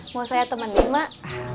mau saya temanin emak